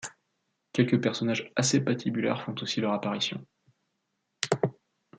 Quelques personnages assez patibulaires font aussi leur apparition.